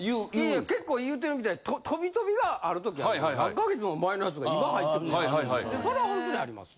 いや結構言うてるみたいに飛び飛びがある時ある何か月も前のやつが今入ってるみたいなそれはほんとにあります。